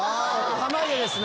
濱家ですね。